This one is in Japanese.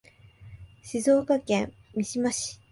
静岡県三島市